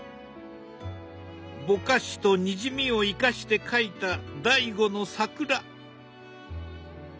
ぼかしとにじみを生かして描いた「醍醐」の桜。